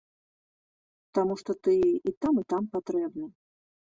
Таму што ты і там і там патрэбны.